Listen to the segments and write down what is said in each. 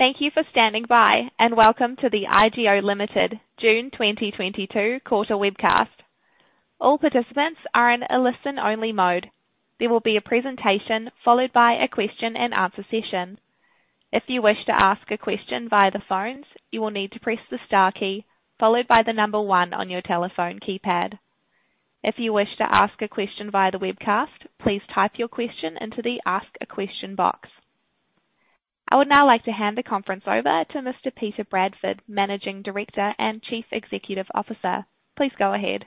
Thank you for standing by, and welcome to the IGO Limited June 2022 quarter webcast. All participants are in a listen-only mode. There will be a presentation followed by a question-and-answer session. If you wish to ask a question via the phones, you will need to press the star key followed by the number one on your telephone keypad. If you wish to ask a question via the webcast, please type your question into the Ask a Question box. I would now like to hand the conference over to Mr. Peter Bradford, Managing Director and Chief Executive Officer. Please go ahead.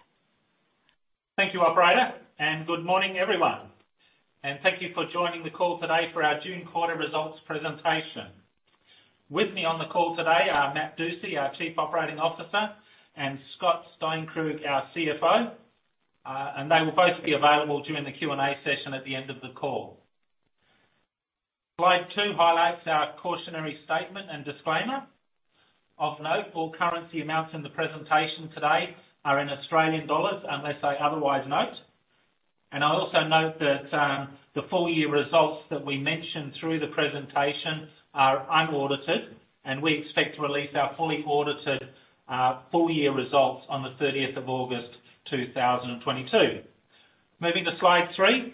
Thank you, operator, and good morning, everyone. Thank you for joining the call today for our June quarter results presentation. With me on the call today are Matt Dusci, our Chief Operating Officer, and Scott Steinkrug, our CFO. They will both be available during the Q&A session at the end of the call. Slide two highlights our cautionary statement and disclaimer. Of note, all currency amounts in the presentation today are in Australian dollars unless I otherwise note. I also note that the full year results that we mention through the presentation are unaudited, and we expect to release our fully audited full year results on the August 30th, 2022. Moving to slide three.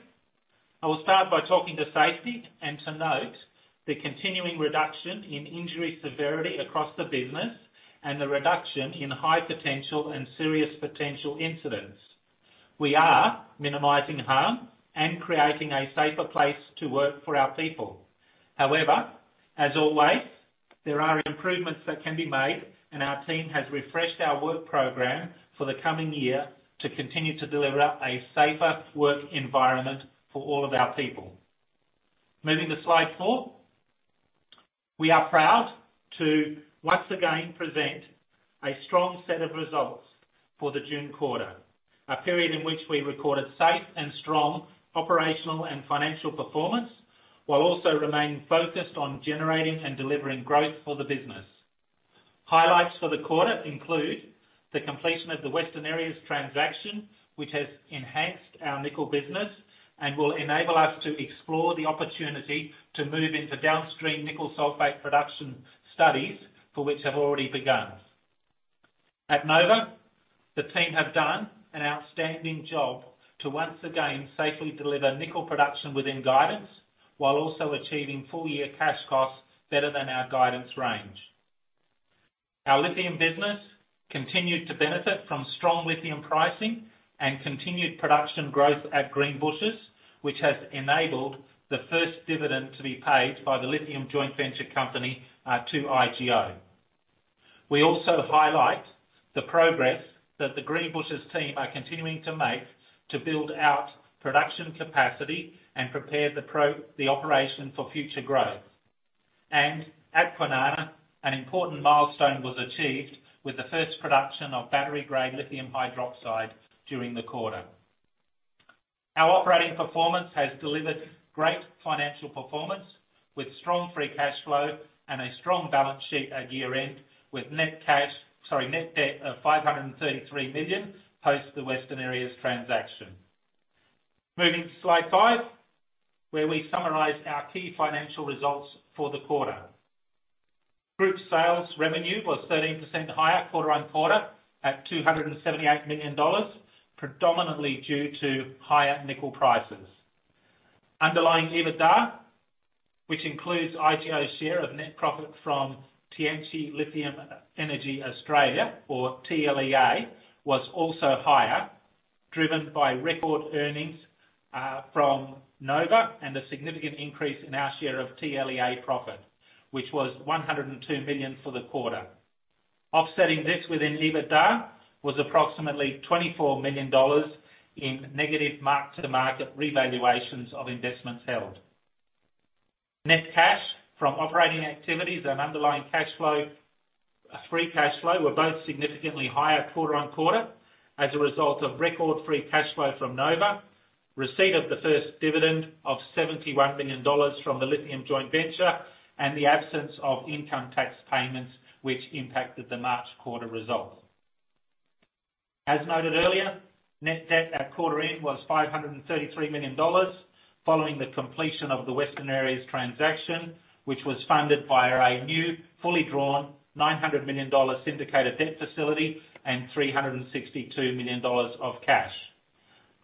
I will start by talking to safety and to note the continuing reduction in injury severity across the business and the reduction in high potential and serious potential incidents. We are minimizing harm and creating a safer place to work for our people. However, as always, there are improvements that can be made, and our team has refreshed our work program for the coming year to continue to deliver a safer work environment for all of our people. Moving to slide four. We are proud to once again present a strong set of results for the June quarter. A period in which we recorded safe and strong operational and financial performance, while also remaining focused on generating and delivering growth for the business. Highlights for the quarter include the completion of the Western Areas transaction, which has enhanced our nickel business and will enable us to explore the opportunity to move into downstream nickel sulfate production studies, for which have already begun. At Nova, the team have done an outstanding job to once again safely deliver nickel production within guidance, while also achieving full-year cash costs better than our guidance range. Our lithium business continued to benefit from strong lithium pricing and continued production growth at Greenbushes, which has enabled the first dividend to be paid by the Lithium joint venture company, to IGO. We also highlight the progress that the Greenbushes team are continuing to make to build out production capacity and prepare the operation for future growth. At Kwinana, an important milestone was achieved with the first production of battery-grade lithium hydroxide during the quarter. Our operating performance has delivered great financial performance with strong free cash flow and a strong balance sheet at year-end with net debt of 533 million, post the Western Areas transaction. Moving to slide five, where we summarize our key financial results for the quarter. Group sales revenue was 13% higher quarter-on-quarter at 278 million dollars, predominantly due to higher nickel prices. Underlying EBITDA, which includes IGO's share of net profit from Tianqi Lithium Energy Australia, or TLEA, was also higher, driven by record earnings from Nova and a significant increase in our share of TLEA profit, which was 102 million for the quarter. Offsetting this within EBITDA was approximately 24 million dollars in negative mark-to-market revaluations of investments held. Net cash from operating activities and underlying cash flow, free cash flow were both significantly higher quarter-on-quarter as a result of record free cash flow from Nova, receipt of the first dividend of 71 million dollars from the lithium joint-venture, and the absence of income tax payments which impacted the March quarter results. As noted earlier, net debt at quarter end was 533 million dollars following the completion of the Western Areas transaction, which was funded via a new fully drawn 900 million dollars syndicated debt facility and 362 million dollars of cash.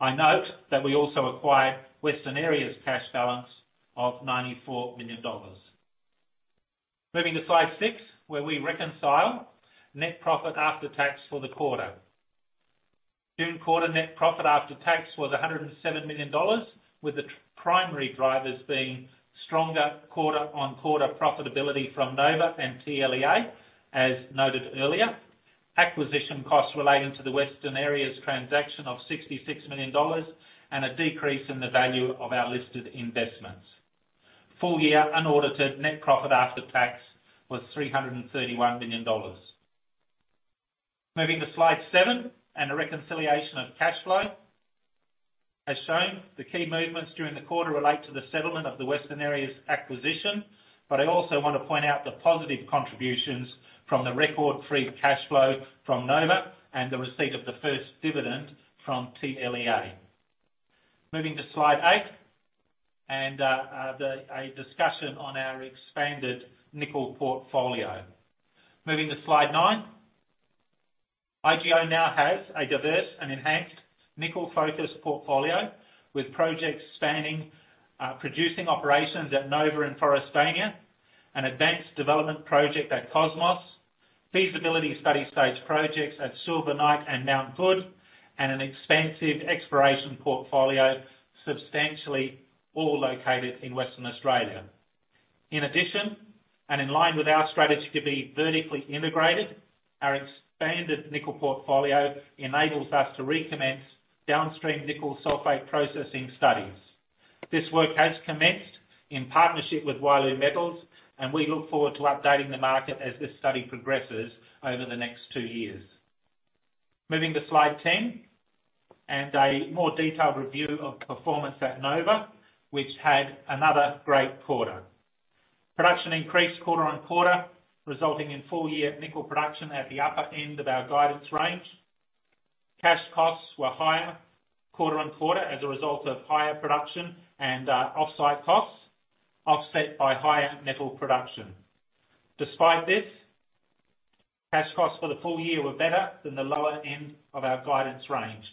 I note that we also acquired Western Areas' cash balance of 94 million dollars. Moving to slide six, where we reconcile net profit after tax for the quarter. June quarter net profit after tax was 107 million dollars, with the primary drivers being stronger quarter-on-quarter profitability from Nova and TLEA, as noted earlier. Acquisition costs relating to the Western Areas transaction of 66 million dollars and a decrease in the value of our listed investments. Full-year unaudited net profit after tax was 331 million dollars. Moving to slide seven and a reconciliation of cash flow. As shown, the key movements during the quarter relate to the settlement of the Western Areas acquisition, but I also want to point out the positive contributions from the record free cash flow from Nova and the receipt of the first dividend from TLEA. Moving to slide eight, and a discussion on our expanded nickel portfolio. Moving to slide nine. IGO now has a diverse and enhanced nickel-focused portfolio with projects spanning producing operations at Nova and Forrestania, an advanced development project at Cosmos, feasibility study stage projects at Silver Knight and Mount Goode, and an extensive exploration portfolio substantially all located in Western Australia. In addition, and in line with our strategy to be vertically integrated, our expanded nickel portfolio enables us to recommence downstream nickel sulfate processing studies. This work has commenced in partnership with Wyloo Metals, and we look forward to updating the market as this study progresses over the next two years. Moving to slide 10, and a more detailed review of performance at Nova, which had another great quarter. Production increased quarter-on-quarter, resulting in full-year nickel production at the upper end of our guidance range. Cash costs were higher quarter-over-quarter as a result of higher production and off-site costs offset by higher nickel production. Despite this, cash costs for the full year were better than the lower end of our guidance range.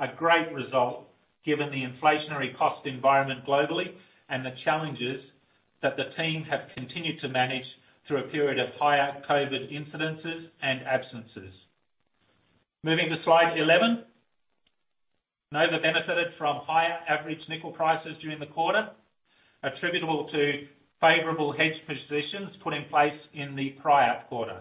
A great result given the inflationary cost environment globally and the challenges that the team have continued to manage through a period of higher COVID incidences and absences. Moving to slide 11. Nova benefited from higher average nickel prices during the quarter, attributable to favorable hedge positions put in place in the prior quarter.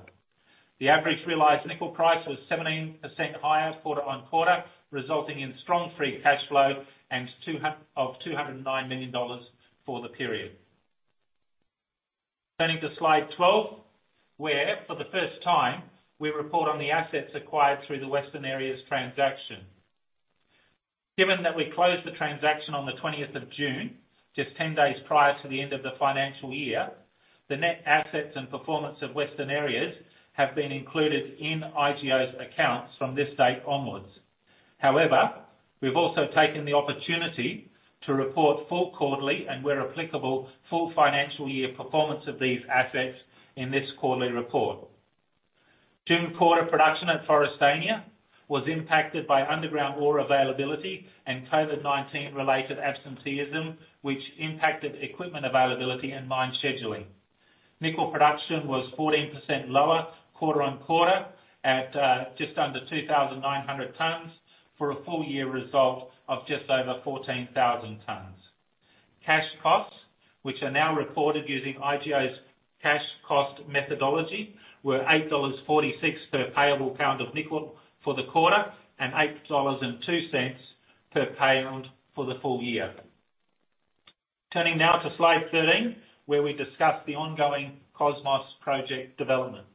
The average realized nickel price was 17% higher quarter-on-quarter, resulting in strong free cash flow and 209 million dollars for the period. Turning to slide 12, where for the first time, we report on the assets acquired through the Western Areas transaction. Given that we closed the transaction on the June 20th, just 10 days prior to the end of the financial year, the net assets and performance of Western Areas have been included in IGO's accounts from this date onwards. However, we've also taken the opportunity to report full quarterly, and where applicable, full financial year performance of these assets in this quarterly report. June quarter production at Forrestania was impacted by underground ore availability and COVID-19 related absenteeism, which impacted equipment availability and mine scheduling. Nickel production was 14% lower quarter-on-quarter at just under 2,900 tons for a full year result of just over 14,000 tons. Cash costs, which are now reported using IGO's cash cost methodology, were 8.46 dollars per payable pound of nickel for the quarter and 8.02 dollars per payable for the full year. Turning now to slide 13, where we discuss the ongoing Cosmos project development.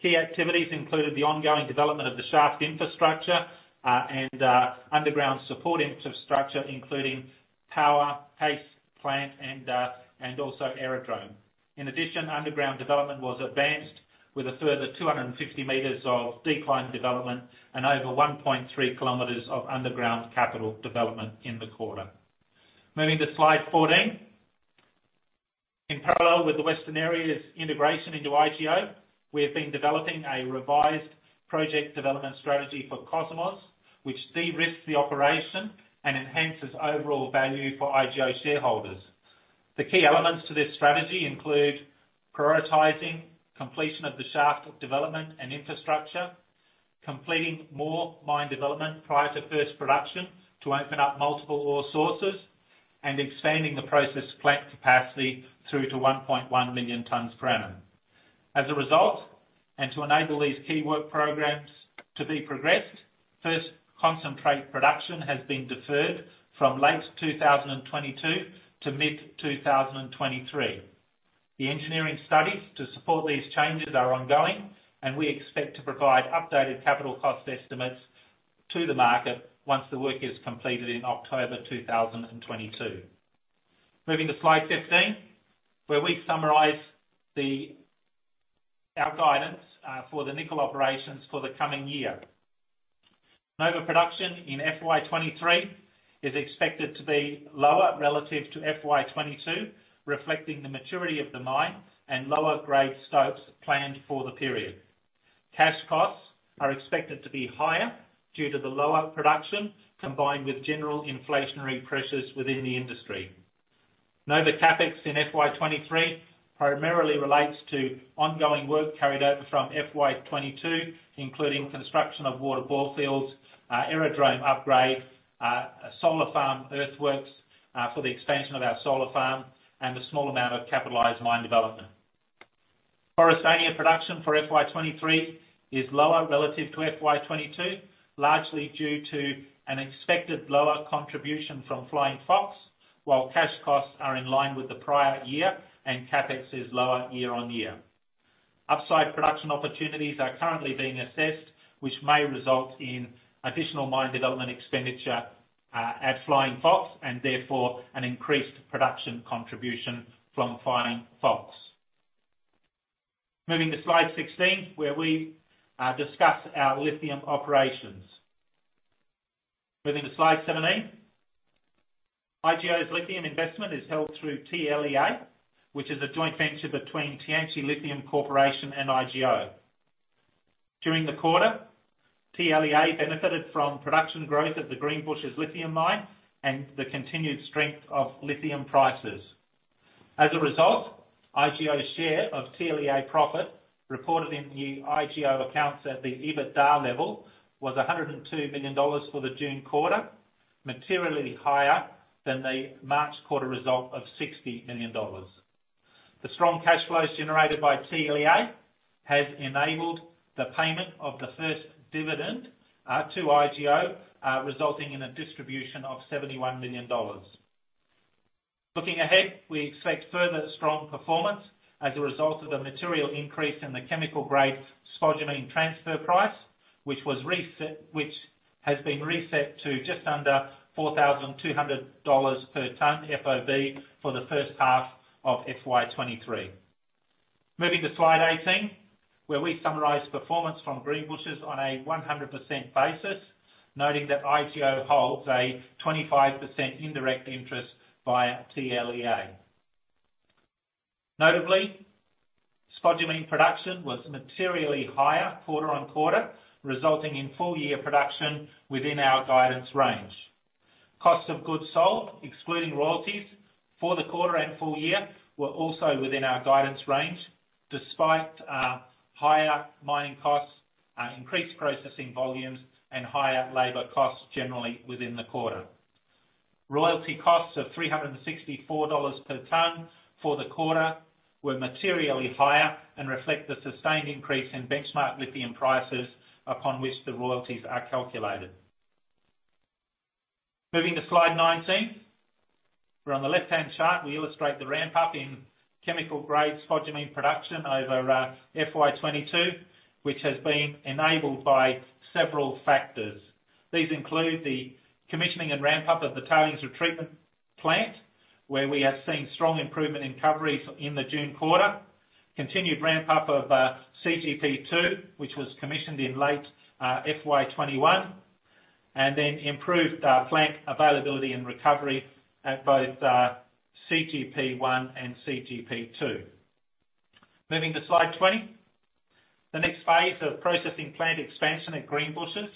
Key activities included the ongoing development of the shaft infrastructure, and underground support infrastructure, including power, paste plant and also aerodrome. In addition, underground development was advanced with a further 260 meters of decline development and over 1.3 km of underground capital development in the quarter. Moving to slide 14. In parallel with the Western Areas integration into IGO, we have been developing a revised project development strategy for Cosmos, which de-risks the operation and enhances overall value for IGO shareholders. The key elements to this strategy include prioritizing completion of the shaft development and infrastructure, completing more mine development prior to first production to open up multiple ore sources, and expanding the process plant capacity through to 1.1 million tonnes per annum. As a result, and to enable these key work programs to be progressed, first concentrate production has been deferred from late 2022 to mid 2023. The engineering studies to support these changes are ongoing, and we expect to provide updated capital cost estimates to the market once the work is completed in October 2022. Moving to slide 15, where we summarize our guidance for the nickel operations for the coming year. Nova production in FY 2023 is expected to be lower relative to FY 2022, reflecting the maturity of the mine and lower grade stopes planned for the period. Cash costs are expected to be higher due to the lower production, combined with general inflationary pressures within the industry. Nova CapEx in FY 2023 primarily relates to ongoing work carried over from FY 2022, including construction of water bore fields, aerodrome upgrade, solar farm earthworks, for the expansion of our solar farm, and a small amount of capitalized mine development. Forrestania production for FY 2023 is lower relative to FY 2022, largely due to an expected lower contribution from Flying Fox, while cash costs are in line with the prior year and CapEx is lower year on year. Upside production opportunities are currently being assessed, which may result in additional mine development expenditure, at Flying Fox and therefore an increased production contribution from Flying Fox. Moving to slide 16, where we discuss our lithium operations. Moving to slide 17. IGO's lithium investment is held through TLEA, which is a joint venture between Tianqi Lithium Corporation and IGO. During the quarter, TLEA benefited from production growth of the Greenbushes lithium mine and the continued strength of lithium prices. As a result, IGO's share of TLEA profit reported in the IGO accounts at the EBITDA level was 102 million dollars for the June quarter, materially higher than the March quarter result of AUD 60 million. The strong cash flows generated by TLEA has enabled the payment of the first dividend to IGO, resulting in a distribution of 71 million dollars. Looking ahead, we expect further strong performance as a result of a material increase in the chemical grade spodumene transfer price, which has been reset to just under 4,200 dollars per tonne FOB for the H1 of FY 2023. Moving to slide 18, where we summarize performance from Greenbushes on a 100% basis, noting that IGO holds a 25% indirect interest via TLEA. Notably, spodumene production was materially higher quarter-on-quarter, resulting in full year production within our guidance range. Cost of goods sold, excluding royalties, for the quarter and full year were also within our guidance range, despite higher mining costs, increased processing volumes, and higher labor costs generally within the quarter. Royalty costs of $364 per tonne for the quarter were materially higher and reflect the sustained increase in benchmark lithium prices upon which the royalties are calculated. Moving to slide 19, where on the left-hand chart, we illustrate the ramp up in chemical grade spodumene production over FY 2022, which has been enabled by several factors. These include the commissioning and ramp up of the tailings retreatment plant, where we have seen strong improvement in recovery in the June quarter. Continued ramp up of CGP2, which was commissioned in late FY 2021, and then improved plant availability and recovery at both CGP1 and CGP2. Moving to slide 20. The next phase of processing plant expansion at Greenbushes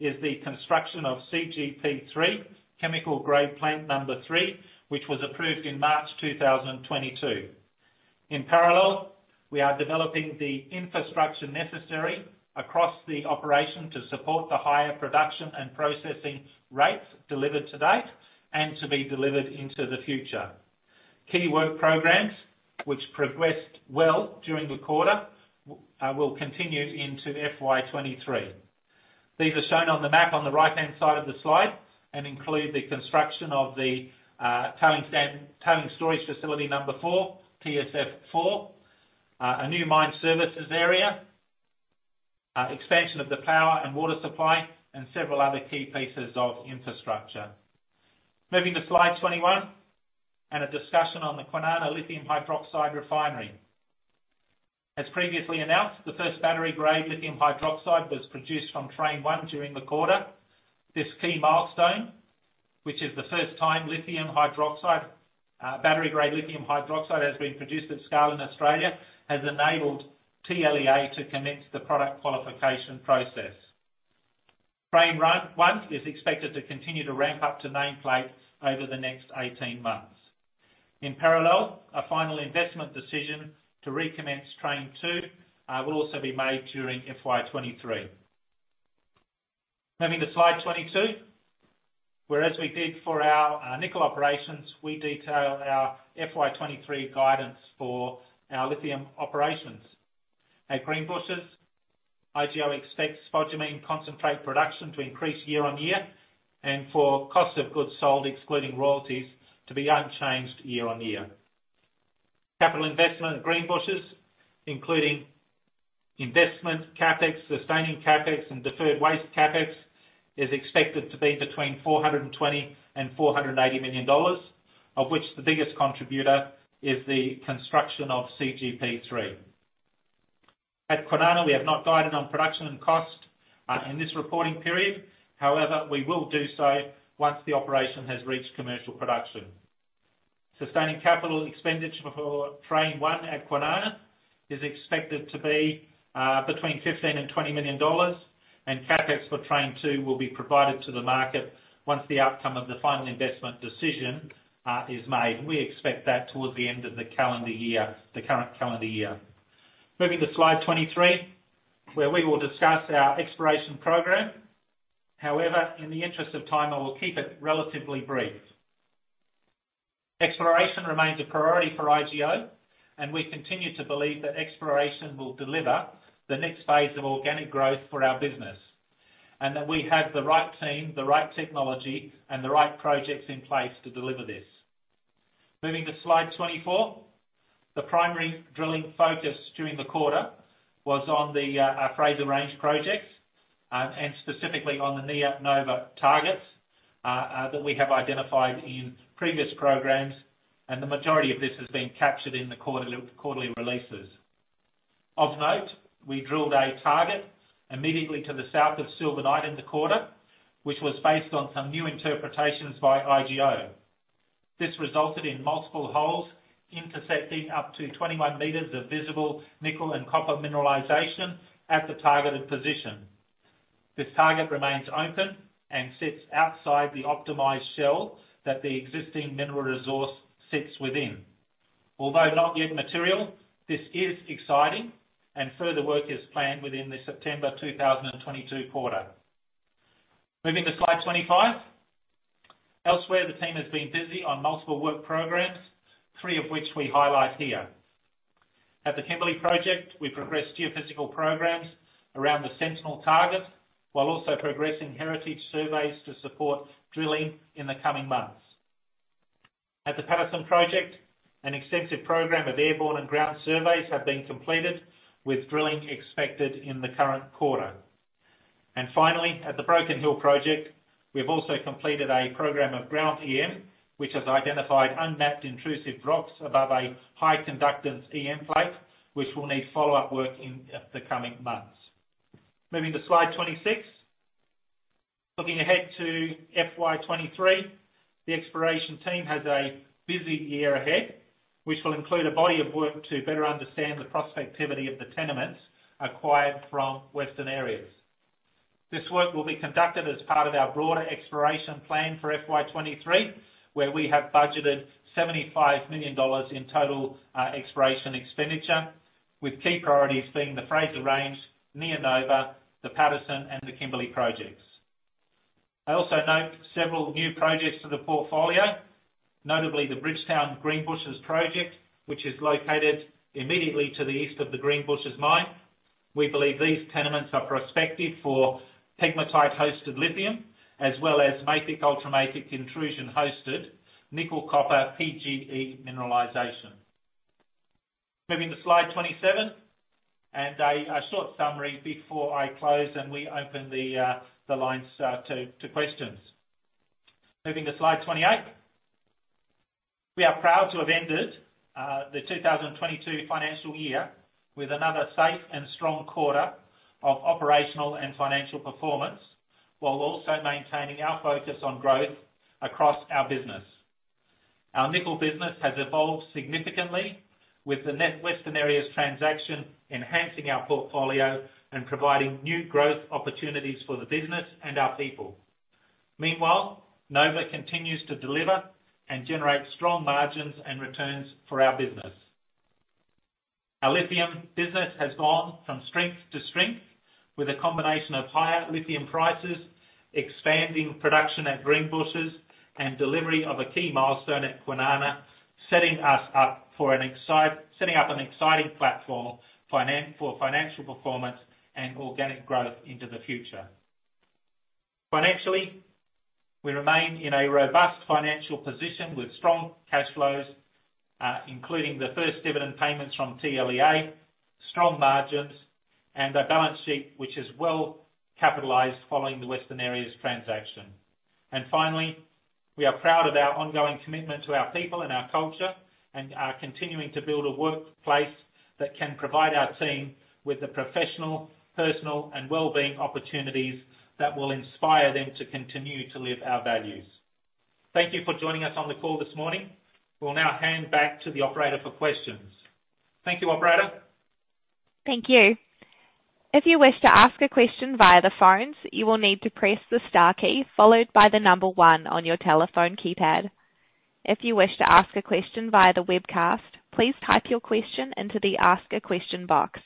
is the construction of CGP3, chemical grade plant number 3, which was approved in March 2022. In parallel, we are developing the infrastructure necessary across the operation to support the higher production and processing rates delivered to date and to be delivered into the future. Key work programs, which progressed well during the quarter, will continue into FY 2023. These are shown on the map on the right-hand side of the slide and include the construction of the tailings storage facility number four, TSF4, a new mine services area, expansion of the power and water supply, and several other key pieces of infrastructure. Moving to slide 21, a discussion on the Kwinana Lithium Hydroxide Refinery. As previously announced, the first battery-grade lithium hydroxide was produced from Train 1 during the quarter. This key milestone, which is the first time lithium hydroxide, battery-grade lithium hydroxide has been produced at scale in Australia, has enabled TLEA to commence the product qualification process. Train 1 is expected to continue to ramp up to nameplate over the next 18 months. In parallel, a final investment decision to recommence Train 2 will also be made during FY 2023. Moving to slide 22. Whereas we did for our nickel operations, we detail our FY 2023 guidance for our lithium operations. At Greenbushes, IGO expects spodumene concentrate production to increase year-on-year and for cost of goods sold, excluding royalties, to be unchanged year-on-year. Capital investment at Greenbushes, including investment CapEx, sustaining CapEx, and deferred waste CapEx, is expected to be between 420 million and 480 million dollars, of which the biggest contributor is the construction of CGP3. At Kwinana, we have not guided on production and cost in this reporting period. However, we will do so once the operation has reached commercial production. Sustaining capital expenditure for train one at Kwinana is expected to be between 15 million and 20 million dollars, and CapEx for train two will be provided to the market once the outcome of the final investment decision is made. We expect that towards the end of the calendar year, the current calendar year. Moving to slide 23, where we will discuss our exploration program. However, in the interest of time, I will keep it relatively brief. Exploration remains a priority for IGO, and we continue to believe that exploration will deliver the next phase of organic growth for our business. That we have the right team, the right technology, and the right projects in place to deliver this. Moving to slide 24. The primary drilling focus during the quarter was on our Fraser Range projects, and specifically on the Near Nova targets that we have identified in previous programs, and the majority of this has been captured in the quarterly releases. Of note, we drilled a target immediately to the south of Silver Knight in the quarter, which was based on some new interpretations by IGO. This resulted in multiple holes intersecting up to 21 meters of visible nickel and copper mineralization at the targeted position. This target remains open and sits outside the optimized shell that the existing mineral resource sits within. Although not yet material, this is exciting, and further work is planned within the September 2022 quarter. Moving to slide 25. Elsewhere, the team has been busy on multiple work programs, three of which we highlight here. At the Kimberley Project, we progressed geophysical programs around the Sentinel target, while also progressing heritage surveys to support drilling in the coming months. At the Paterson Project, an extensive program of airborne and ground surveys have been completed, with drilling expected in the current quarter. Finally, at the Broken Hill Project, we've also completed a program of ground EM, which has identified unmapped intrusive rocks above a high-conductance EM plate, which will need follow-up work in, the coming months. Moving to slide 26. Looking ahead to FY 2023, the exploration team has a busy year ahead, which will include a body of work to better understand the prospectivity of the tenements acquired from Western Areas. This work will be conducted as part of our broader exploration plan for FY 2023, where we have budgeted 75 million dollars in total, exploration expenditure, with key priorities being the Fraser Range, Near Nova, the Paterson, and the Kimberley projects. I also note several new projects to the portfolio, notably the Bridgetown Greenbushes Project, which is located immediately to the east of the Greenbushes mine. We believe these tenements are prospective for pegmatite-hosted lithium as well as mafic-ultramafic intrusion-hosted nickel copper PGE mineralization. Moving to slide 27, a short summary before I close and we open the lines to questions. Moving to slide 28. We are proud to have ended the 2022 financial year with another safe and strong quarter of operational and financial performance, while also maintaining our focus on growth across our business. Our nickel business has evolved significantly with the net Western Areas transaction, enhancing our portfolio and providing new growth opportunities for the business and our people. Meanwhile, Nova continues to deliver and generate strong margins and returns for our business. Our lithium business has gone from strength to strength with a combination of higher lithium prices, expanding production at Greenbushes and delivery of a key milestone at Kwinana, setting up an exciting platform for financial performance and organic growth into the future. Financially, we remain in a robust financial position with strong cash flows, including the first dividend payments from TLEA, strong margins, and a balance sheet, which is well capitalized following the Western Areas transaction. Finally, we are proud of our ongoing commitment to our people and our culture, and are continuing to build a workplace that can provide our team with the professional, personal, and wellbeing opportunities that will inspire them to continue to live our values. Thank you for joining us on the call this morning. We'll now hand back to the operator for questions. Thank you, operator. Thank you. If you wish to ask a question via the phones, you will need to press the star key followed by the number one on your telephone keypad. If you wish to ask a question via the webcast, please type your question into the Ask a Question box.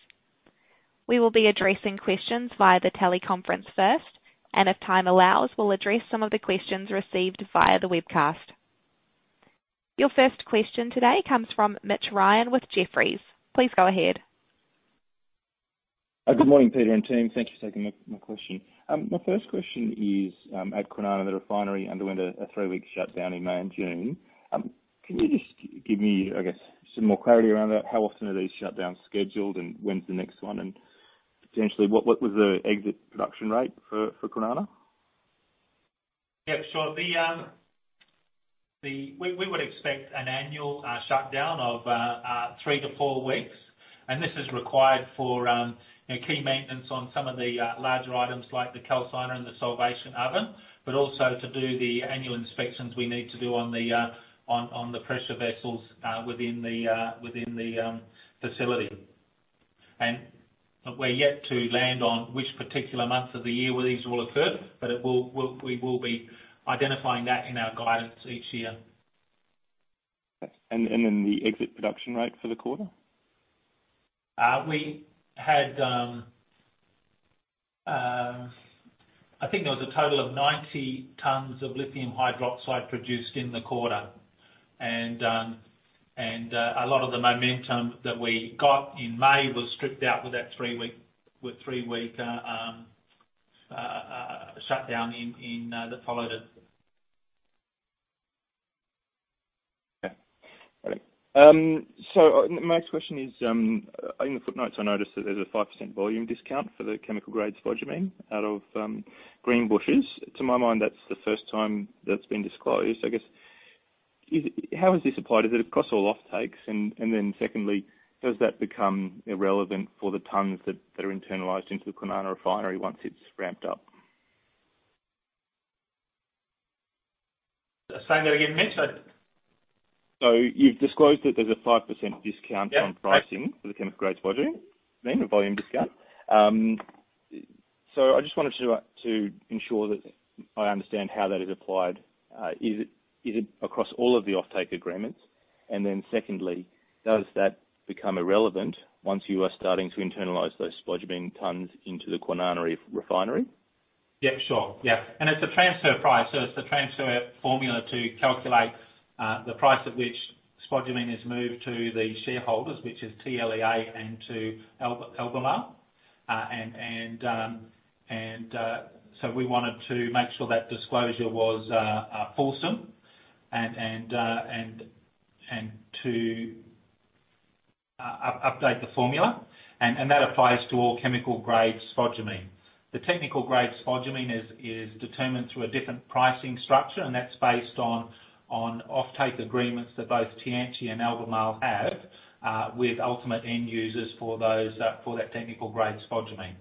We will be addressing questions via the teleconference first, and if time allows, we'll address some of the questions received via the webcast. Your first question today comes from Mitch Ryan with Jefferies. Please go ahead. Good morning, Peter and team. Thank you for taking my question. My first question is, at Kwinana, the refinery underwent a three-week shutdown in May and June. Can you just give me, I guess, some more clarity around that? How often are these shutdowns scheduled, and when's the next one, and potentially what was the exit production rate for Kwinana? Yeah, sure. We would expect an annual shutdown of three-four weeks, and this is required for you know, key maintenance on some of the larger items like the calciner and the solvation oven, but also to do the annual inspections we need to do on the pressure vessels within the facility. We're yet to land on which particular months of the year where these will occur, but we will be identifying that in our guidance each year. The exit production rate for the quarter? I think there was a total of 90 tons of lithium hydroxide produced in the quarter. A lot of the momentum that we got in May was stripped out with that three-week shutdown in that followed a- My next question is, in the footnotes, I noticed that there's a 5% volume discount for the chemical grade spodumene out of Greenbushes. To my mind, that's the first time that's been disclosed. I guess how is this applied? Is it across all offtakes? And then secondly, does that become irrelevant for the tons that are internalized into the Kwinana refinery once it's ramped up? Say that again, Mitch, sorry. You've disclosed that there's a 5% discount. Yeah. On pricing for the chemical grade spodumene, a volume discount. I just wanted to ensure that I understand how that is applied. Is it across all of the offtake agreements? Secondly, does that become irrelevant once you are starting to internalize those spodumene tons into the Kwinana refinery? Yeah, sure. Yeah. It's a transfer price. It's a transfer formula to calculate the price at which spodumene is moved to the shareholders, which is TLEA and Albemarle. We wanted to make sure that disclosure was fulsome and to update the formula. That applies to all chemical grade spodumene. The technical grade spodumene is determined through a different pricing structure, and that's based on offtake agreements that both Tianqi and Albemarle have with ultimate end users for that technical grade spodumene.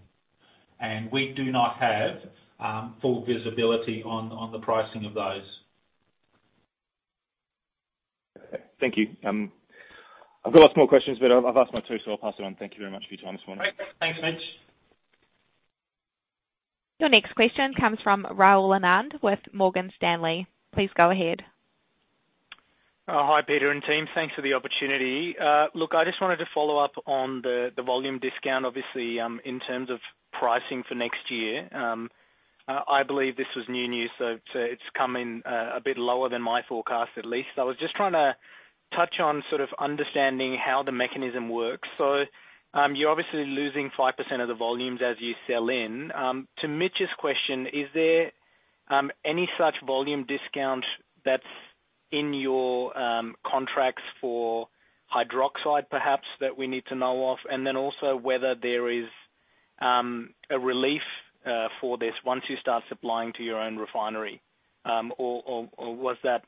We do not have full visibility on the pricing of those. Thank you. I've got lots more questions, but I've asked my two, so I'll pass it on. Thank you very much for your time this morning. Great. Thanks, Mitch. Your next question comes from Rahul Anand with Morgan Stanley. Please go ahead. Hi, Peter and team. Thanks for the opportunity. Look, I just wanted to follow up on the volume discount, obviously, in terms of pricing for next year. I believe this was new news, so it's come in a bit lower than my forecast, at least. I was just trying to touch on sort of understanding how the mechanism works. You're obviously losing 5% of the volumes as you sell in. To Mitch's question, is there any such volume discount that's in your contracts for hydroxide perhaps that we need to know of? Also whether there is a relief for this once you start supplying to your own refinery. Was that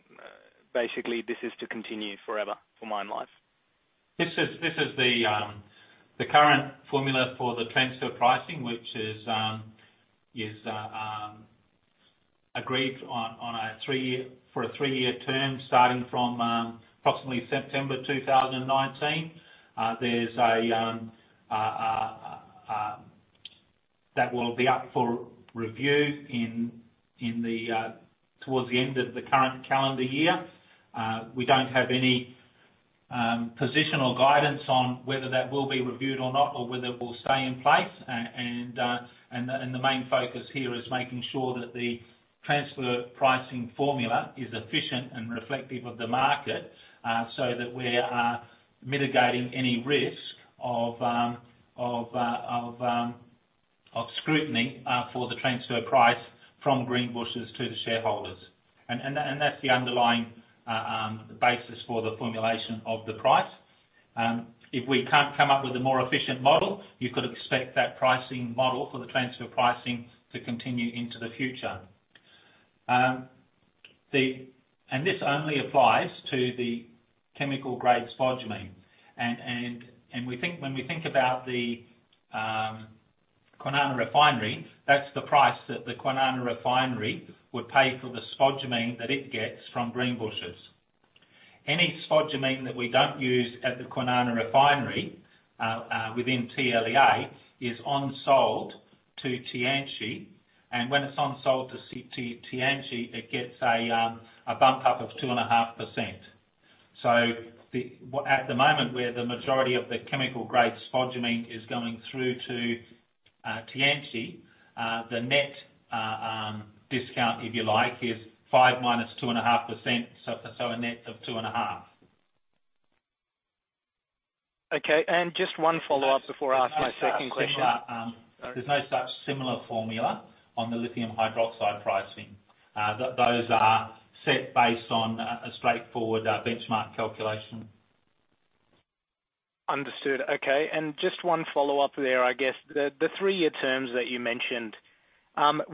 basically this is to continue forever for mine life? This is the current formula for the transfer pricing, which is agreed on for a three-year term, starting from approximately September 2019. That will be up for review towards the end of the current calendar year. We don't have any position or guidance on whether that will be reviewed or not, or whether it will stay in place. The main focus here is making sure that the transfer pricing formula is efficient and reflective of the market, so that we're mitigating any risk of scrutiny for the transfer price from Greenbushes to the shareholders. That's the underlying basis for the formulation of the price. If we can't come up with a more efficient model, you could expect that pricing model for the transfer pricing to continue into the future. This only applies to the chemical grade spodumene. We think, when we think about the Kwinana refinery, that's the price that the Kwinana refinery would pay for the spodumene that it gets from Greenbushes. Any spodumene that we don't use at the Kwinana refinery within TLEA is on-sold to Tianqi. When it's on-sold to Tianqi, it gets a bump up of 2.5%. At the moment, where the majority of the chemical grade spodumene is going through to Tianqi, the net discount, if you like, is 5 - 2.5%, so a net of 2.5%. Okay. Just one follow-up before I ask my second question. There's no such similar. Sorry. There's no such similar formula on the lithium hydroxide pricing. Those are set based on a straightforward benchmark calculation. Understood. Okay. Just one follow-up there, I guess. The three-year terms that you mentioned,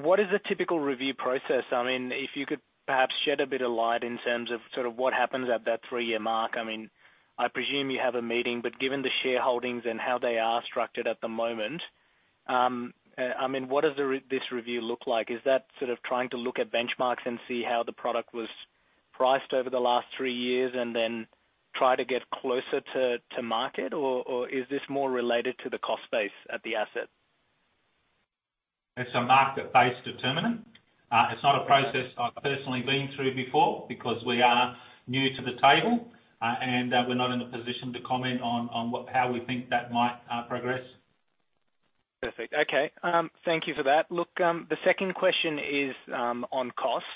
what is the typical review process? I mean, if you could perhaps shed a bit of light in terms of sort of what happens at that three-year mark. I mean, I presume you have a meeting, but given the shareholdings and how they are structured at the moment, I mean, what does this review look like? Is that sort of trying to look at benchmarks and see how the product was priced over the last three years and then try to get closer to market? Or is this more related to the cost base at the asset? It's a market-based determinant. It's not a process I've personally been through before because we are new to the table, and we're not in a position to comment on what, how we think that might progress. Perfect. Okay. Thank you for that. Look, the second question is on costs.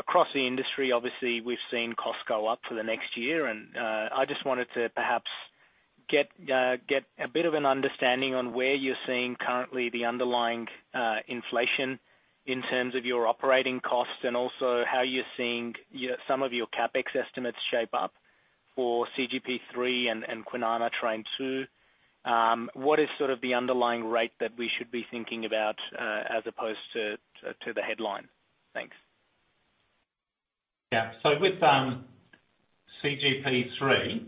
Across the industry, obviously we've seen costs go up for the next year and I just wanted to perhaps get a bit of an understanding on where you're seeing currently the underlying inflation in terms of your operating costs, and also how you're seeing some of your CapEx estimates shape up for CGP3 and Kwinana Train 2. What is sort of the underlying rate that we should be thinking about as opposed to the headline? Thanks. Yeah. With CGP3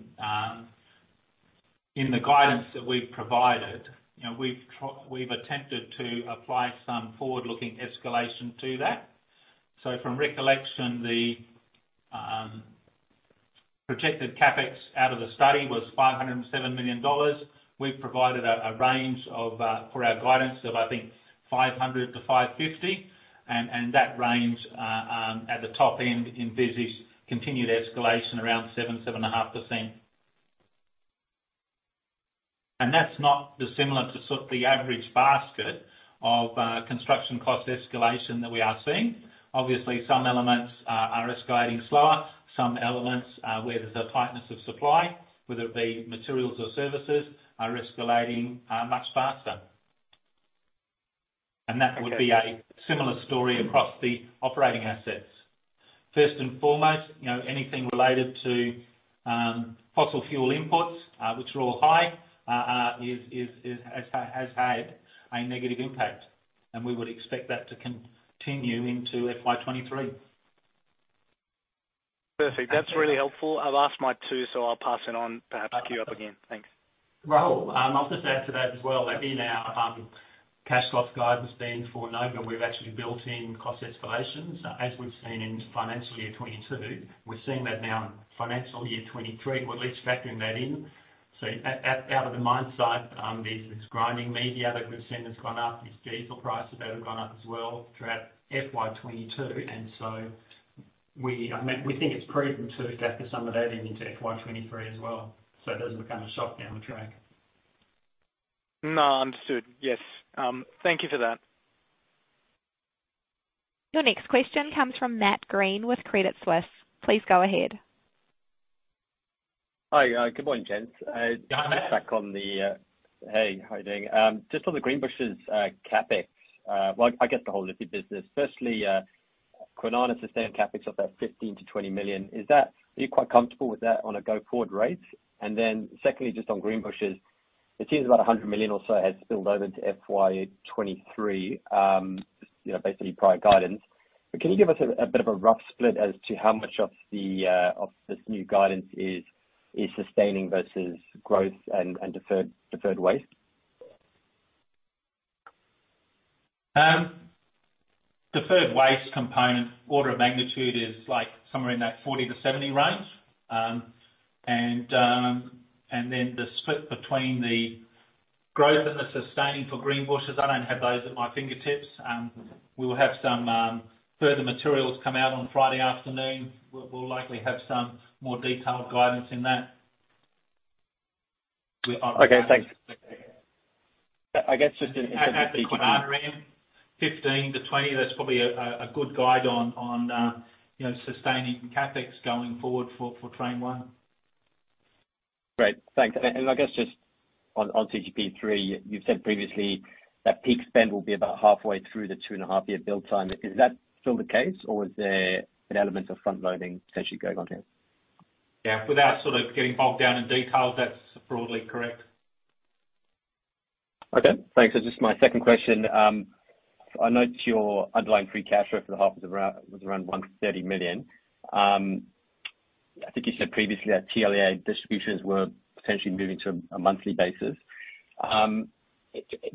in the guidance that we've provided, you know, we've attempted to apply some forward-looking escalation to that. From recollection, the projected CapEx out of the study was 507 million dollars. We've provided a range for our guidance of, I think, 500 million-550 million, and that range at the top end envisages continued escalation around 7%-7.5%. That's not dissimilar to sort of the average basket of construction cost escalation that we are seeing. Obviously, some elements are escalating slower, some elements where there's a tightness of supply, whether it be materials or services, are escalating much faster. Okay. That would be a similar story across the operating assets. First and foremost, you know, anything related to fossil fuel inputs, which are all high, has had a negative impact, and we would expect that to continue into FY 2023. Perfect. Yeah. That's really helpful. I've asked my two, so I'll pass it on perhaps to queue up again. Thanks. Rahul, I'll just add to that as well that in our cash cost guidance then for Nova, we've actually built in cost escalations. As we've seen in financial year 2022, we're seeing that now in financial year 2023, we're at least factoring that in. So at out of the mine site, there's this grinding media that we've seen that's gone up, there's diesel prices that have gone up as well throughout FY 2022. We, I mean, we think it's prudent to factor some of that into FY 2023 as well, so it doesn't become a shock down the track. No, understood. Yes. Thank you for that. Your next question comes from Matt Greene with Credit Suisse. Please go ahead. Hi. Good morning, gents. Hi, Matt. Just back on the... Hey, how are you doing? Just on the Greenbushes, CapEx, well, I get the whole lithium business. Firstly, Kwinana sustaining CapEx of about 15 million-20 million. Is that, are you quite comfortable with that on a go-forward rate? Then secondly, just on Greenbushes, it seems about 100 million or so has spilled over into FY 2023, you know, basically prior guidance. Can you give us a bit of a rough split as to how much of this new guidance is sustaining versus growth and deferred waste? Deferred waste component order of magnitude is like somewhere in that 40-70 range. The split between the growth and the sustaining for Greenbushes, I don't have those at my fingertips. We'll have some further materials come out on Friday afternoon. We'll likely have some more detailed guidance in that. We are- Okay, thanks. Expecting it. I guess just in At the Kwinana end, 15-20, that's probably a good guide on sustaining CapEx going forward for Train 1. Great. Thanks. I guess just on CGP3, you've said previously that peak spend will be about halfway through the 2.5-year build time. Is that still the case, or is there an element of frontloading potentially going on here? Yeah. Without sort of getting bogged down in details, that's broadly correct. Okay. Thanks. Just my second question. I note your underlying free cash flow for the half was around 130 million. I think you said previously that TLEA distributions were potentially moving to a monthly basis.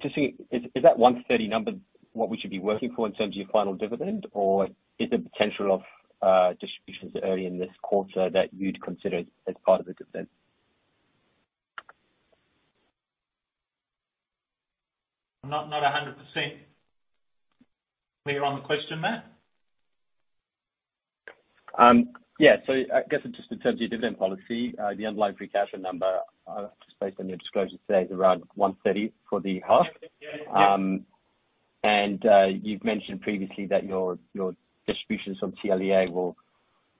Just so you... Is that 130 number what we should be working for in terms of your final dividend? Or is there potential of distributions early in this quarter that you'd consider as part of the dividend? I'm not 100% clear on the question, Matt. I guess just in terms of your dividend policy, the underlying free cash flow number, just based on your disclosure today, is around 130 for the half. Yeah. You've mentioned previously that your distributions from TLEA will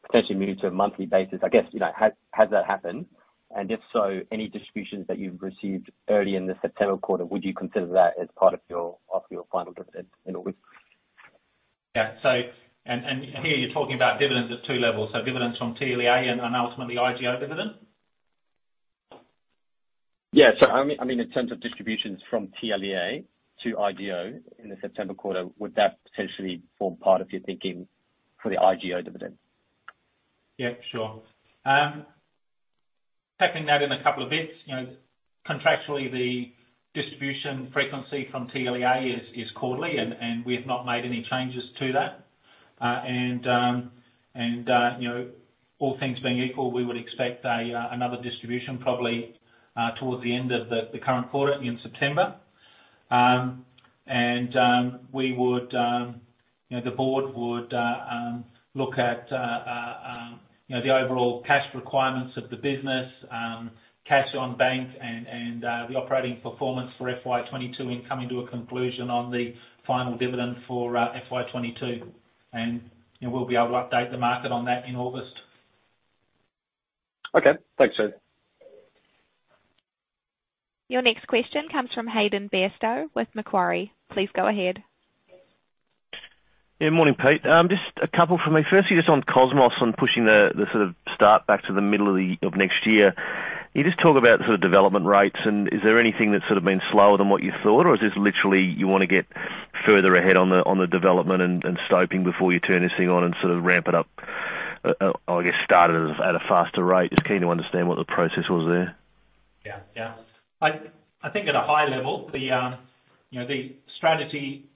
potentially move to a monthly basis. I guess, you know, has that happened? If so, any distributions that you've received early in the September quarter, would you consider that as part of your final dividend in August? Yeah. Here you're talking about dividends at two levels, so dividends from TLEA and ultimately IGO dividend? Yeah. I mean in terms of distributions from TLEA to IGO in the September quarter, would that potentially form part of your thinking for the IGO dividend? Yeah, sure. Tackling that in a couple of bits. You know, contractually, the distribution frequency from TLEA is quarterly and we have not made any changes to that. You know, all things being equal, we would expect another distribution probably towards the end of the current quarter, in September. We would, you know, the board would look at the overall cash requirements of the business, cash on bank and the operating performance for FY 2022 and coming to a conclusion on the final dividend for FY 2022. You know, we'll be able to update the market on that in August. Okay. Thanks, Peter. Your next question comes from Hayden Bairstow with Macquarie. Please go ahead. Yeah, morning, Pete. Just a couple from me. Firstly, just on Cosmos and pushing the sort of start back to the middle of next year. You just talk about the sort of development rates, and is there anything that's sort of been slower than what you thought? Or is this literally you wanna get further ahead on the development and scoping before you turn this thing on and sort of ramp it up, or I guess, start it at a faster rate? Just keen to understand what the process was there. I think at a high level, you know, the strategy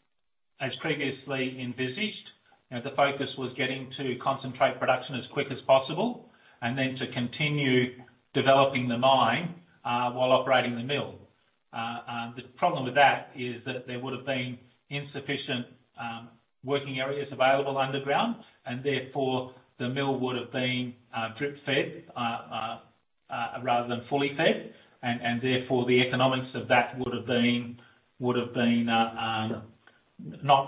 as previously envisaged, you know, the focus was getting to concentrate production as quick as possible, and then to continue developing the mine while operating the mill. The problem with that is that there would've been insufficient working areas available underground, and therefore, the mill would've been drip fed rather than fully fed. Therefore, the economics of that would've been not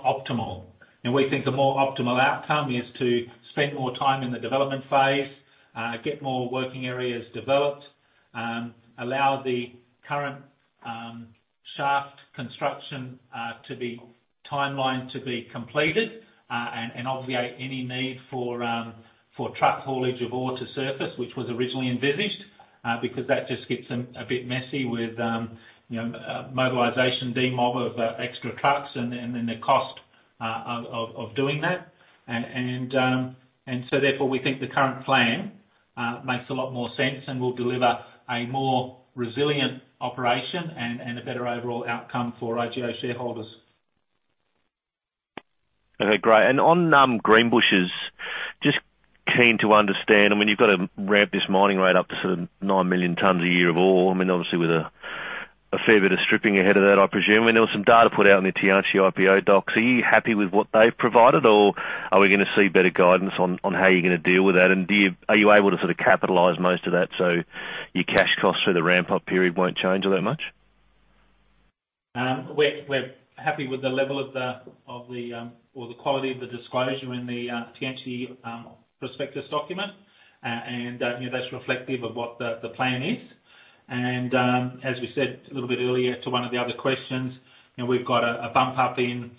optimal. You know, we think the more optimal outcome is to spend more time in the development phase, get more working areas developed, allow the current shaft construction the timeline to be completed, and obviate any need for truck haulage of ore to surface, which was originally envisaged. Because that just gets a bit messy with, you know, mobilization, demob of extra trucks and then the cost of doing that. We think the current plan makes a lot more sense and will deliver a more resilient operation and a better overall outcome for IGO shareholders. Okay, great. On Greenbushes, just keen to understand, I mean, you've got to ramp this mining rate up to sort of nine million tons a year of ore. I mean, obviously with a fair bit of stripping ahead of that, I presume. I know some data put out in the Tianqi IPO docs. Are you happy with what they've provided? Or are we gonna see better guidance on how you're gonna deal with that? Are you able to sort of capitalize most of that, so your cash costs for the ramp-up period won't change all that much? We're happy with the level of the or the quality of the disclosure in the Tianqi prospectus document. You know, that's reflective of what the plan is. As we said a little bit earlier to one of the other questions, you know, we've got a bump up in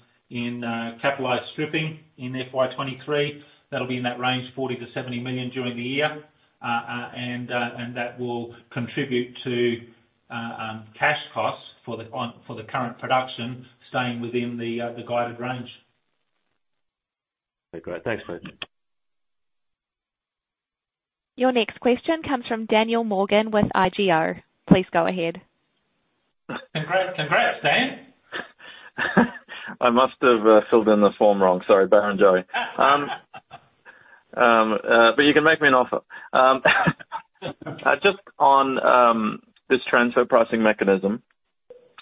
capitalized stripping in FY 2023. That'll be in that range, 40 million-70 million during the year. That will contribute to cash costs for the current production staying within the guided range. Okay, great. Thanks, Pete. Your next question comes from Daniel Morgan with IGO. Please go ahead. Congrats, Dan. I must have filled in the form wrong. Sorry, Barrenjoey. You can make me an offer. Just on this transfer pricing mechanism,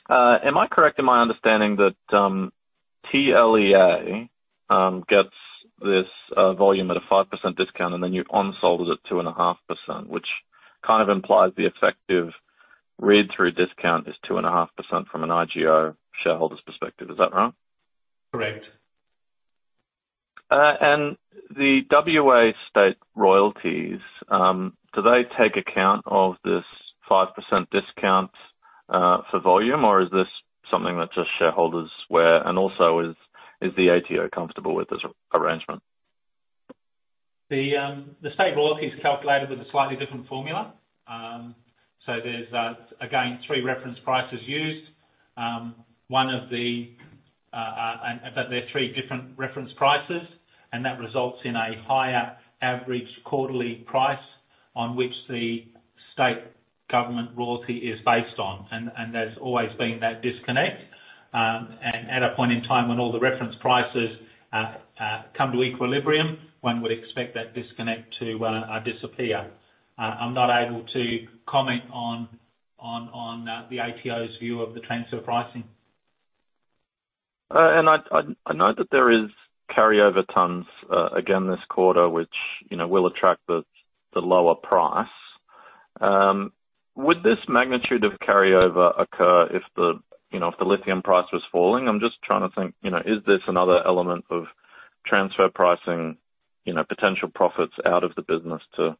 am I correct in my understanding that TLEA gets this volume at a 5% discount, and then you onsold it at 2.5%, which kind of implies the effective read-through discount is 2.5% from an IGO shareholder's perspective. Is that right? Correct. The WA state royalties, do they take account of this 5% discount for volume, or is this something that just shareholders waive? Also, is the ATO comfortable with this arrangement? The state royalty is calculated with a slightly different formula. There's again three reference prices used. There are three different reference prices, and that results in a higher average quarterly price on which the state government royalty is based on. There's always been that disconnect. At a point in time when all the reference prices come to equilibrium, one would expect that disconnect to disappear. I'm not able to comment on the ATO's view of the transfer pricing. I know that there is carryover tons again this quarter, which, you know, will attract the lower price. Would this magnitude of carryover occur if the, you know, if the lithium price was falling? I'm just trying to think, you know, is this another element of transfer pricing, you know, potential profits out of the business to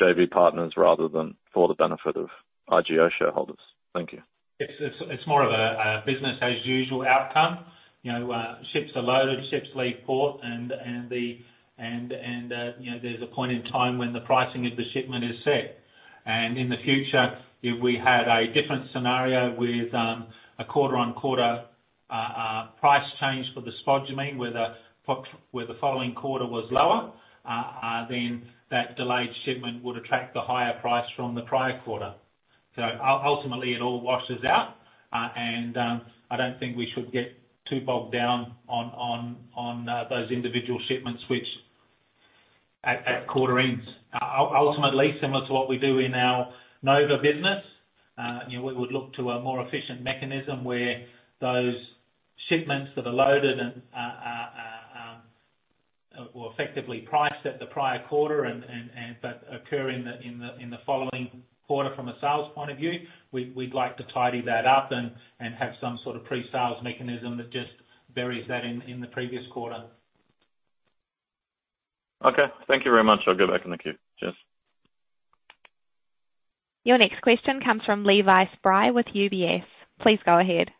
JV partners rather than for the benefit of IGO shareholders? Thank you. It's more of a business as usual outcome. You know, ships are loaded, ships leave port, and you know, there's a point in time when the pricing of the shipment is set. In the future, if we had a different scenario with a quarter-on-quarter price change for the spodumene, where the following quarter was lower, then that delayed shipment would attract the higher price from the prior quarter. Ultimately, it all washes out. I don't think we should get too bogged down on those individual shipments which at quarter ends. Ultimately similar to what we do in our Nova Business, you know, we would look to a more efficient mechanism, where those shipments that are loaded and/or effectively priced at the prior quarter but occur in the following quarter from a sales point of view. We'd like to tidy that up and have some sort of pre-sales mechanism that just buries that in the previous quarter. Okay. Thank you very much. I'll go back in the queue. Cheers. Your next question comes from Levi Spry with UBS. Please go ahead.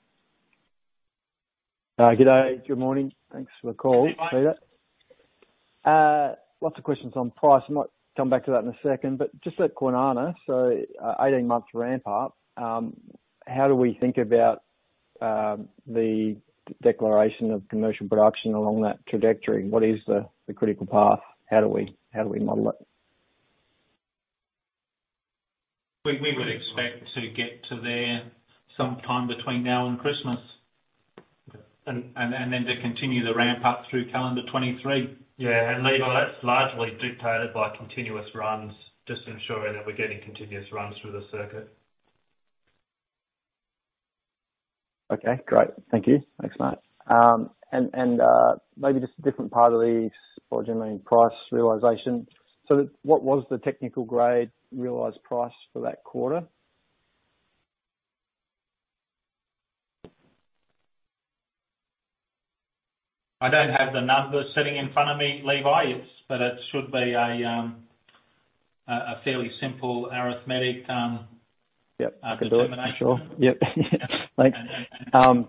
Good day. Good morning. Thanks for the call. Hey, Levi. Lots of questions on price. I might come back to that in a second, but just at Kwinana, 18 months ramp up, how do we think about the declaration of commercial production along that trajectory? What is the critical path? How do we model it? We would expect to get to there some time between now and Christmas. Okay. To continue the ramp up through calendar 2023. Yeah. Levi, that's largely dictated by continuous runs, just ensuring that we're getting continuous runs through the circuit. Okay, great. Thank you. Thanks, Matt. Maybe just a different part of the spodumene price realization. What was the technical grade realized price for that quarter? I don't have the numbers sitting in front of me, Levi. It should be a fairly simple arithmetic. Yep. Determination. I can do it. Sure. Yep, thanks. How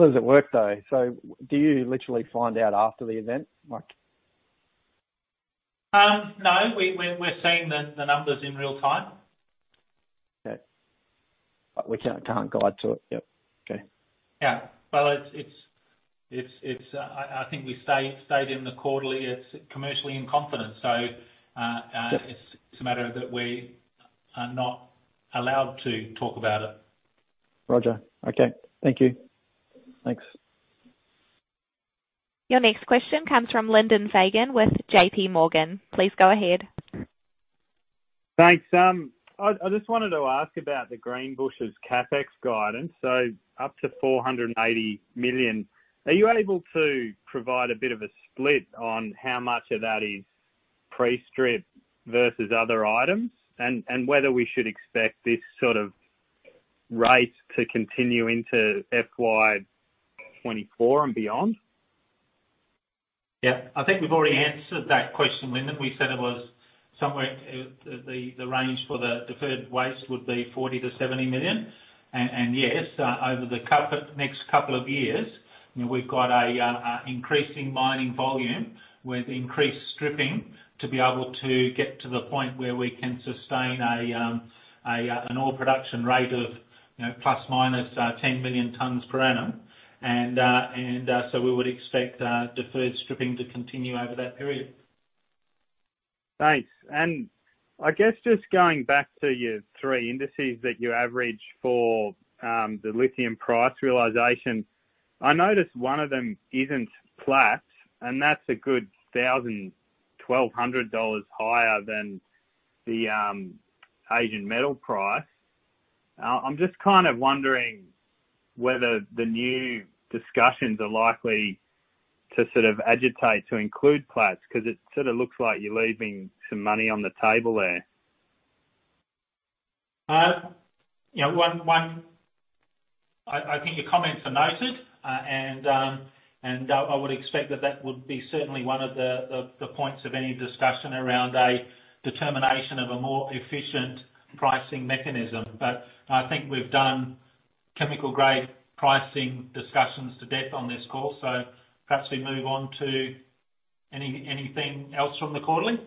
does it work though? Do you literally find out after the event? No, we're seeing the numbers in real time. Okay. We can't guide to it. Yep. Okay. Yeah. Well, I think we stated in the quarterly it's commercially in confidence. Yep. It's a matter that we are not allowed to talk about it. Roger. Okay. Thank you. Thanks. Your next question comes from Lyndon Fagan with J.P. Morgan. Please go ahead. Thanks. I just wanted to ask about the Greenbushes CapEx guidance, so up to 480 million. Are you able to provide a bit of a split on how much of that is pre-strip versus other items, and whether we should expect this sort of rate to continue into FY 2024 and beyond? I think we've already answered that question, Lyndon. We said it was somewhere the range for the deferred waste would be 40 million-70 million. Yes, over the next couple of years, you know, we've got increasing mining volume with increased stripping to be able to get to the point where we can sustain an ore production rate of, you know, plus minus 10 million tons per annum. So we would expect deferred stripping to continue over that period. Thanks. I guess just going back to your three indices that you average for the lithium price realization. I noticed one of them isn't Platts, and that's a good $1,000-$1,200 higher than the Asian Metal price. I'm just kind of wondering whether the new discussions are likely to sort of negotiate to include Platts, 'cause it sort of looks like you're leaving some money on the table there. You know, I think your comments are noted. I would expect that that would be certainly one of the points of any discussion around a determination of a more efficient pricing mechanism. I think we've done chemical grade pricing discussions to death on this call. Perhaps we move on to anything else from the quarterly.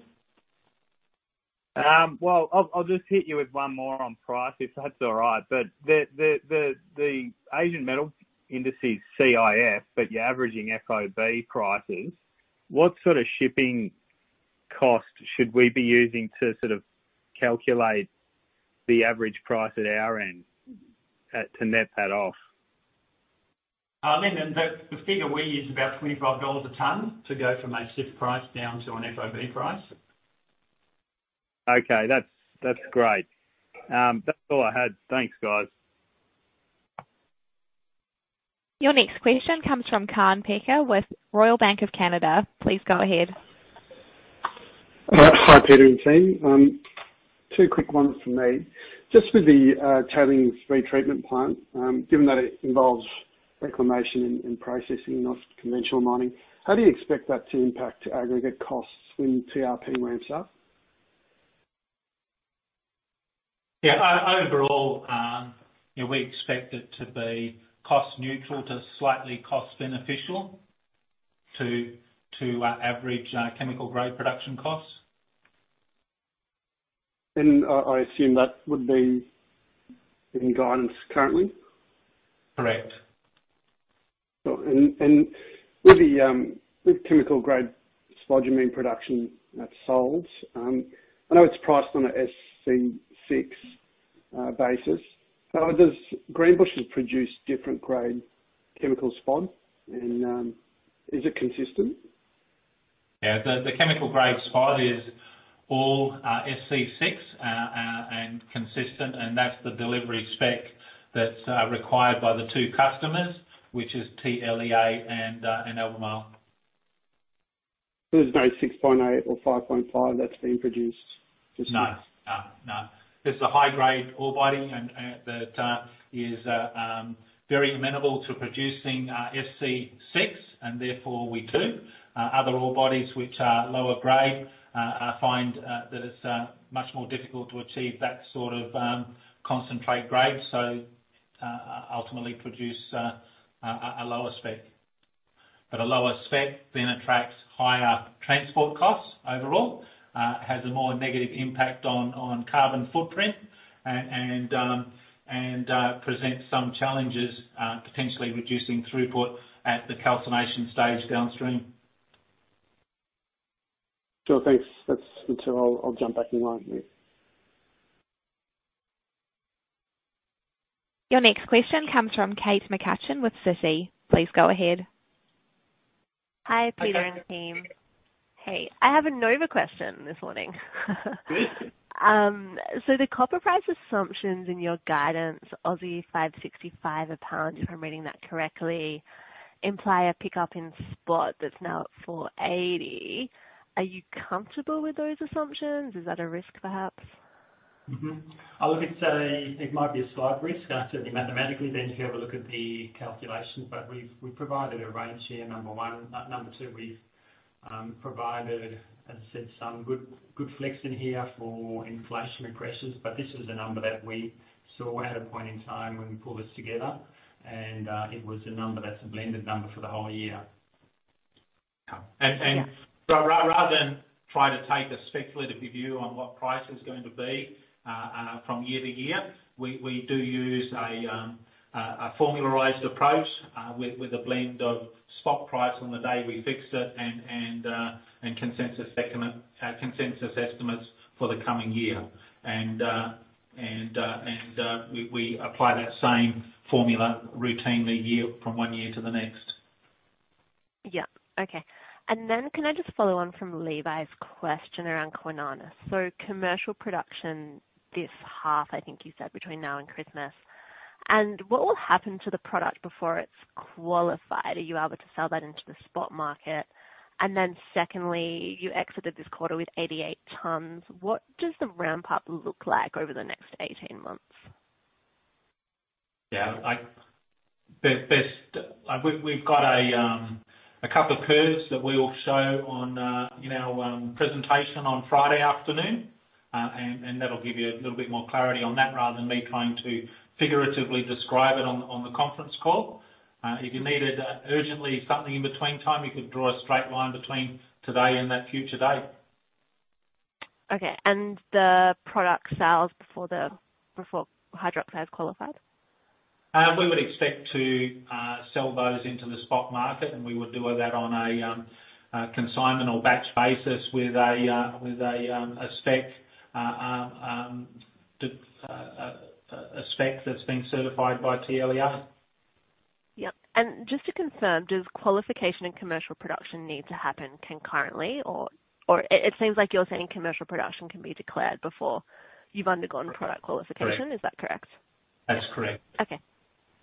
Well, I'll just hit you with one more on price, if that's all right. The Asian Metal indices CIF, but you're averaging FOB prices. What sort of shipping cost should we be using to sort of calculate the average price at our end, to net that off? Lyndon, the figure we use is about $25 a ton to go from a CIF price down to an FOB price. Okay. That's great. That's all I had. Thanks, guys. Your next question comes from Kaan Peker with Royal Bank of Canada. Please go ahead. Hi, Peter and team. Two quick ones from me. Just with the tailings-free treatment plant, given that it involves reclamation and processing, not conventional mining, how do you expect that to impact aggregate costs when TLEA ramps up? Yeah. Overall, you know, we expect it to be cost neutral to slightly cost beneficial to average chemical grade production costs. I assume that would be in guidance currently? Correct. Cool. With chemical grade spodumene production that's sold, I know it's priced on a SC6 basis. Does Greenbushes produce different grade chemical spod? Is it consistent? The chemical grade spot is all SC6 and consistent, and that's the delivery spec that's required by the two customers, which is TLEA and Albemarle. There's no 6.8 or 5.5 that's being produced this year? No. It's a high-grade ore body and that is very amenable to producing SC6, and therefore we do. Other ore bodies which are lower grade find that it's much more difficult to achieve that sort of concentrate grade, so ultimately produce a lower spec. A lower spec then attracts higher transport costs overall, has a more negative impact on carbon footprint and presents some challenges, potentially reducing throughput at the calcination stage downstream. Sure. Thanks. That's it. I'll jump back in line, please. Your next question comes from Kate McCutcheon with Citi. Please go ahead. Hi, Peter and team. Hey, I have a Nova question this morning. Good. The copper price assumptions in your guidance, $5.65 a pound, if I'm reading that correctly, imply a pickup in spot that's now at $4.80. Are you comfortable with those assumptions? Is that a risk, perhaps? I look at, say, it might be a slight risk. I certainly mathematically then if you have a look at the calculations, but we've provided a range here, number one. Number two, we've provided, as I said, some good flex in here for inflation pressures. This is a number that we saw at a point in time when we pulled this together and it was a number that's a blended number for the whole year. Yeah. Rather than try to take a speculative view on what price is going to be from year to year, we do use a formulaic approach with a blend of spot price on the day we fix it and consensus estimates for the coming year. We apply that same formula routinely, year from one year to the next. Yeah. Okay. Can I just follow on from Levi's question around Kwinana. Commercial production this half, I think you said between now and Christmas. What will happen to the product before it's qualified? Are you able to sell that into the spot market? Secondly, you exited this quarter with 88 tons. What does the ramp-up look like over the next 18 months? We've got a couple of curves that we will show in our presentation on Friday afternoon. That'll give you a little bit more clarity on that rather than me trying to figuratively describe it on the conference call. If you needed urgently something in the meantime, you could draw a straight line between today and that future date. Okay. The product sales before hydroxide qualified? We would expect to sell those into the spot market, and we would do that on a consignment or batch basis with a spec that's been certified by TLEA. Yeah. Just to confirm, does qualification and commercial production need to happen concurrently or it seems like you're saying commercial production can be declared before you've undergone product qualification? Correct. Is that correct? That's correct. Okay.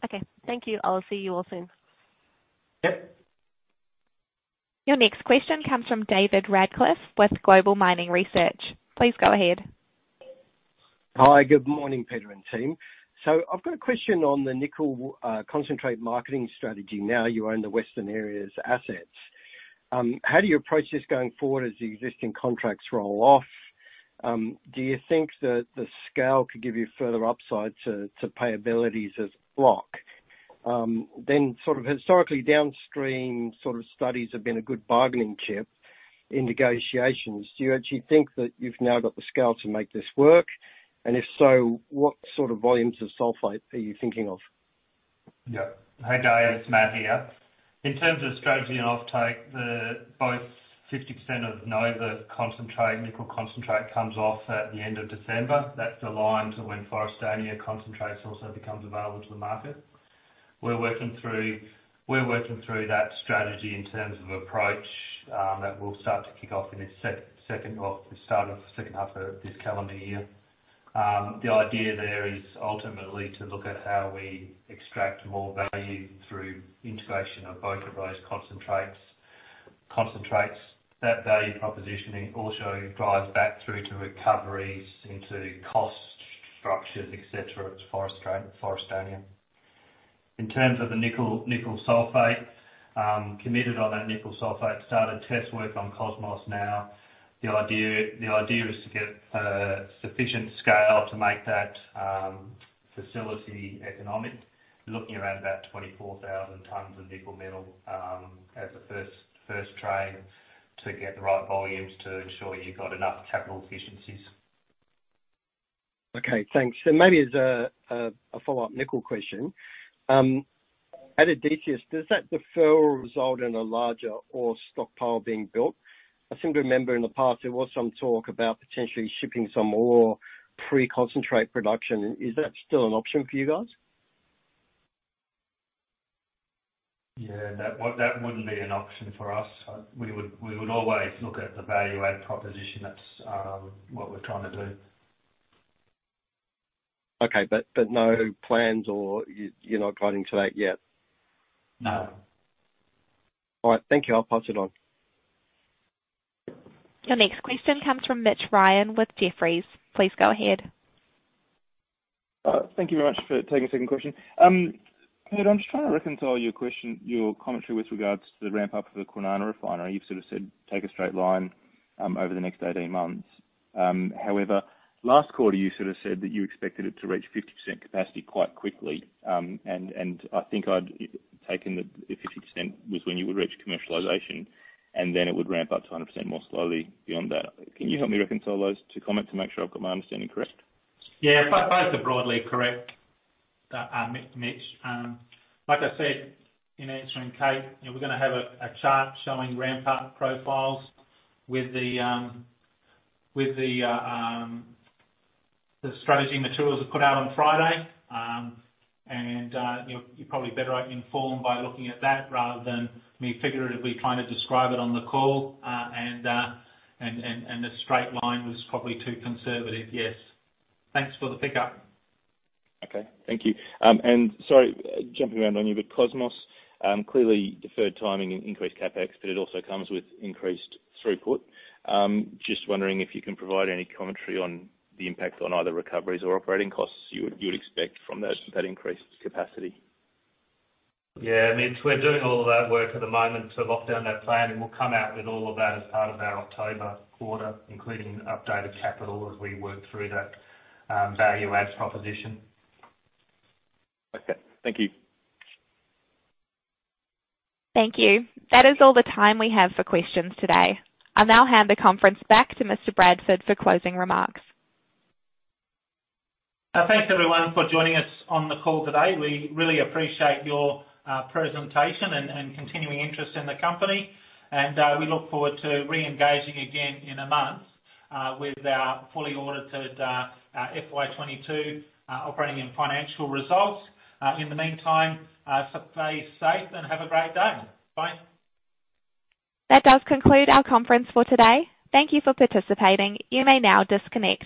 Okay. Thank you. I'll see you all soon. Yep. Your next question comes from David Radclyffe with Global Mining Research. Please go ahead. Hi. Good morning, Peter and team. I've got a question on the nickel concentrate marketing strategy now you own the Western Areas' assets. How do you approach this going forward as the existing contracts roll off? Do you think that the scale could give you further upside to payabilities as a block? Then sort of historically downstream sort of studies have been a good bargaining chip in negotiations. Do you actually think that you've now got the scale to make this work? And if so, what sort of volumes of sulfate are you thinking of? Yeah. Hey, Dave, it's Matt here. In terms of strategy and offtake, both 50% of Nova concentrate, nickel concentrate comes off at the end of December. That's aligned to when Forrestania concentrates also become available to the market. We're working through that strategy in terms of approach that will start to kick off in its H2, the start of the H2 of this calendar year. The idea there is ultimately to look at how we extract more value through integration of both of those concentrates. That value propositioning also drives back through to recoveries into cost structures, et cetera, as Forrestania. In terms of the nickel sulfate, committed on that nickel sulfate, started test work on Cosmos now. The idea is to get sufficient scale to make that facility economic. Looking around about 24,000 tons of nickel metal, as a first train to get the right volumes to ensure you've got enough capital efficiencies. Okay, thanks. Maybe as a follow-up nickel question. At Cosmos, does that deferral result in a larger ore stockpile being built? I seem to remember in the past there was some talk about potentially shipping some ore pre-concentrate production. Is that still an option for you guys? Yeah, that wouldn't be an option for us. We would always look at the value-add proposition. That's what we're trying to do. Okay. No plans or you're not guiding to that yet? No. All right. Thank you. I'll pass it on. Your next question comes from Mitch Ryan with Jefferies. Please go ahead. Thank you very much for taking a second question. Peter, I'm just trying to reconcile your question, your commentary with regards to the ramp-up of the Kwinana refinery. You've sort of said take a straight line over the next 18 months. However, last quarter, you sort of said that you expected it to reach 50% capacity quite quickly. I think I'd taken that the 50% was when you would reach commercialization, and then it would ramp up to a 100% more slowly beyond that. Can you help me reconcile those two comments to make sure I've got my understanding correct? Yeah. Both are broadly correct, Mitch. Like I said in answering Kate, you know, we're gonna have a chart showing ramp-up profiles with the strategy materials we put out on Friday. The straight line was probably too conservative, yes. Thanks for the pickup. Okay. Thank you. Sorry, jumping around on you, but Cosmos clearly deferred timing and increased CapEx, but it also comes with increased throughput. Just wondering if you can provide any commentary on the impact on either recoveries or operating costs you would expect from that increased capacity. Yeah, Mitch, we're doing all of that work at the moment to lock down that plan, and we'll come out with all of that as part of our October quarter, including updated capital as we work through that, value-adds proposition. Okay. Thank you. Thank you. That is all the time we have for questions today. I'll now hand the conference back to Mr. Bradford for closing remarks. Thanks, everyone, for joining us on the call today. We really appreciate your presentation and continuing interest in the company. We look forward to re-engaging again in a month with our fully audited FY 2022 operating and financial results. In the meantime, stay safe and have a great day. Bye. That does conclude our conference for today. Thank you for participating. You may now disconnect.